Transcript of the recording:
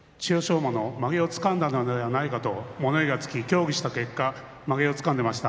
馬のまげをつかんだのではないかと物言いがつき協議した結果まげをつかんでいました。